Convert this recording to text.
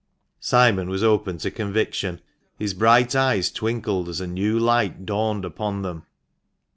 Simon was open to conviction ; his bright eyes twinkled as a new light dawned upon them.